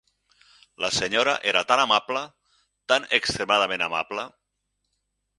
La senyora era tan amable; tan extremadament amable...